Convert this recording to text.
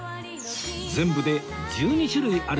全部で１２種類あるそうです